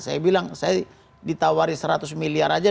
saya bilang saya ditawari seratus miliar aja